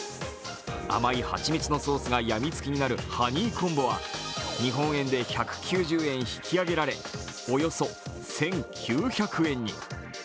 甘い蜂蜜のソースがやみつきになるハニーコンボは日本円で１９０円引き上げられ、およそ１９００円に。